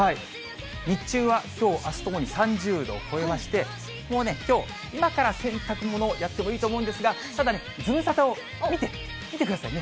日中はきょうあすともに３０度を超えまして、もうきょう、今から洗濯物をやってもいいと思うんですが、ただね、ズムサタを見て、見てくださいね。